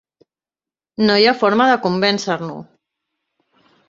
No hi ha forma de convèncer-lo.